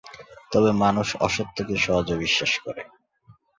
তবে মানুষ অসত্যকে সহজে বিশ্বাস করে!